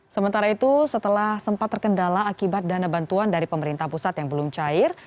sementara itu setelah sempat terkendala akibat dana bantuan dari pemerintah pusat yang belum cair